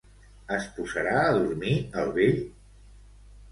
Es posarà a dormir el vell?